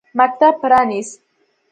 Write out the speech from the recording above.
مکتب پرانیست.